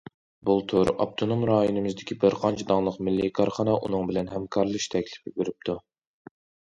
بۇلتۇر ئاپتونوم رايونىمىزدىكى بىر قانچە داڭلىق مىللىي كارخانا ئۇنىڭ بىلەن ھەمكارلىشىش تەكلىپى بېرىپتۇ.